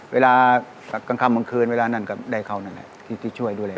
เวลากลางค่ำกลางคืนเวลานั้นก็ได้เขานั่นแหละที่ช่วยดูแล